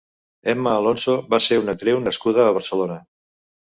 Emma Alonso va ser una actriu nascuda a Barcelona.